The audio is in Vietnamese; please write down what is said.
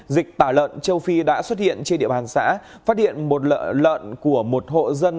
dịch tả lợn châu phi đã xuất hiện trên địa bàn xã phát hiện một lợn của một hộ dân